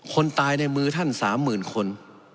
คนตายในมือท่าน๓๐๐๐คน